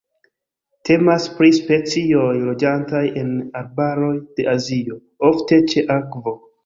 Temas pri specioj loĝantaj en arbaroj de Azio, ofte ĉe akvo.